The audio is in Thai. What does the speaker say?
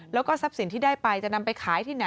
แล้วก็ทรัพย์สินที่ได้ไปจะนำไปขายที่ไหน